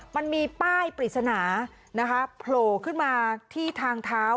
มันมีป้ายปริศนานะคะโผล่ขึ้นมาที่ทางเท้า